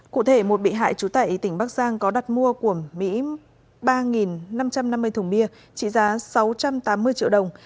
cụ thể một bị hại trú tại tỉnh bắc giang có đặt mua của mỹ ba năm trăm năm mươi thùng bia trị giá sáu trăm tám mươi triệu đồng